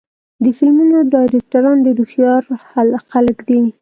د فلمونو ډایرکټران ډېر هوښیار خلک دي.